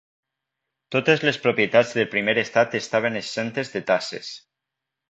Totes les propietats del primer estat estaven exemptes de taxes.